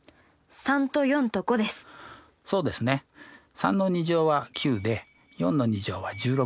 ３の２乗は９で４の２乗は１６。